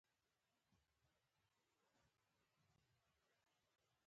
په زیات قیمت تمامېږي پوه شوې!.